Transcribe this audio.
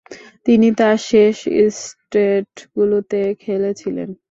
তিনি তার শেষ টেস্টগুলোতে খেলেছিলেন।